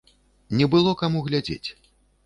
Не было каму глядзець.